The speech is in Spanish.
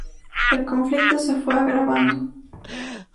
El conflicto se fue agravando.